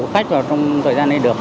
các bác sĩ đã góp sức